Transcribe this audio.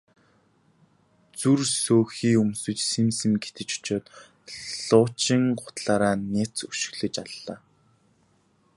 Зүр сөөхий өмсөж сэм сэм гэтэж очоод луучин гутлаараа няц өшиглөж аллаа.